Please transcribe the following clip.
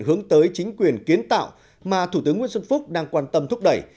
hướng tới chính quyền kiến tạo mà thủ tướng nguyễn xuân phúc đang quan tâm thúc đẩy